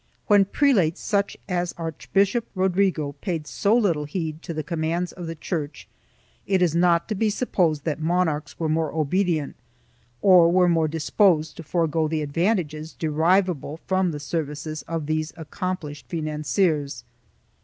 1 When prelates such as Archbishop Rodrigo paid so little heed to the commands of the Church, it is not to be supposed that monarchs were more obedient or were disposed to forego the advantages derivable from the services of these accomplished financiers.